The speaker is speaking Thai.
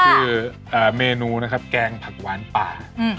คือเมนูนะครับแกงผักหวานป่า